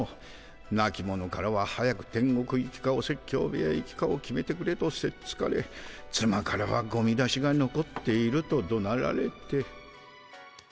なき者からは早く天国行きかお説教部屋行きかを決めてくれとせっつかれつまからはゴミ出しがのこっているとどなられて。